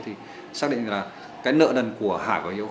thì xác định là cái nợ nần của hải và hiếu